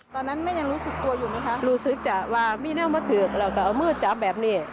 ตอนนั้นแม่ยังรู้สึกกลัวอยู่ไหมคะรู้สึกจะว่ามีเน่ามาถึงแล้วก็เอามือจับแบบนี้